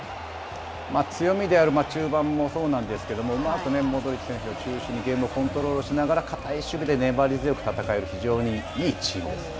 強みである中盤もそうなんですけども、うまくモドリッチ選手を中心にゲームをコントロールしながら、堅い守備で粘り強く戦える、非常にいいチームですね。